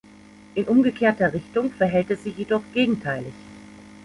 In umgekehrter Richtung verhält es sich jedoch gegenteilig.